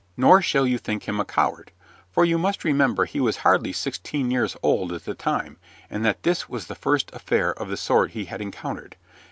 Nor shall you think him a coward, for you must remember he was hardly sixteen years old at the time, and that this was the first affair of the sort he had encountered.